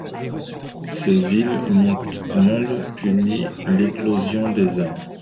Ce vil monde punit l'éclosion des âmes.